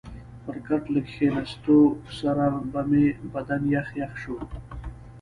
پر کټ له کښېنستو سره به مې بدن یخ یخ شو.